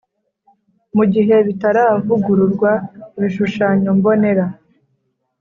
Mu gihe bitaravugururwa ibishushanyombonera